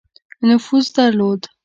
نفوذ درلود.